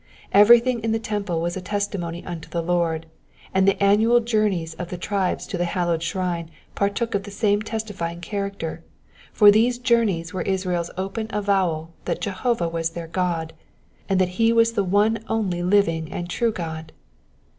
Everything in the temple was a testimony unto the Lord, and the annual journeys of the tribes to the hallowed shrine partook of the same testifying character, for these journeys were Israel's open avowal that Jehovah was their God, and that he was the one only living and true God.